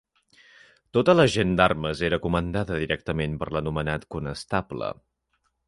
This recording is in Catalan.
Tota la gent d'armes era comandada directament per l'anomenat conestable.